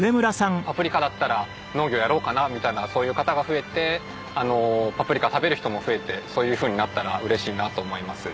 パプリカだったら農業やろうかなみたいなそういう方が増えてパプリカ食べる人も増えてそういうふうになったら嬉しいなと思います。